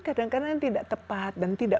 kadang kadang tidak tepat dan tidak